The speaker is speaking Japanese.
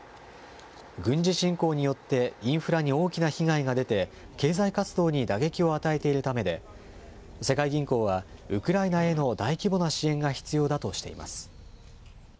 軍事侵攻によってインフラに大きな被害が出て経済活動に打撃を与えているためで世界銀行はウクライナへの大規模な支援が必要だとしています。